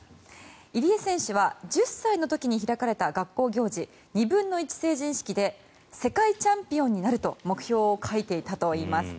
入江選手は１０歳の時に開かれた学校行事２分の１成人式で世界チャンピオンになると目標を書いていたといいます。